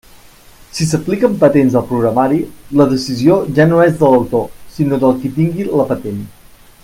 Si s'apliquen patents al programari, la decisió ja no és de l'autor, sinó de qui tingui la patent.